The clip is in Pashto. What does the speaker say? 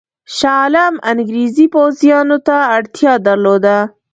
شاه عالم انګرېزي پوځیانو ته اړتیا درلوده.